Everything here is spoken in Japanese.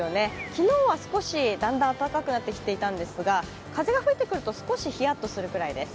昨日は、少しだんだん暖かくなってきていたんですが、風が吹いてくると少しひやっとするくらいです。